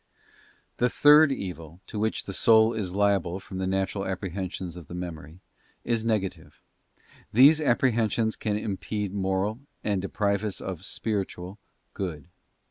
Tue third evil, to which the soul is liable from the Natural TRS Apprehensions of the Memory, is negative. These apprehen sions can impede moral, and deprive us of spiritual, good.